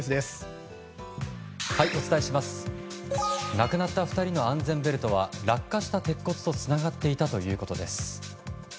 亡くなった２人の安全ベルトは落下した鉄骨とつながっていたということです。